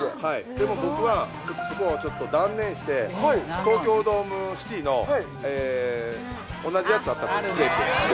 でも僕は、ちょっとそこを断念して、東京ドームシティの同じやつあったんですよ、クレープ。